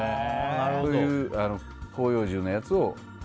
こういう広葉樹のやつを。